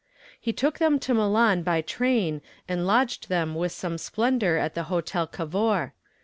He took them to Milan by train and lodged them with some splendor at the Hotel Cavour.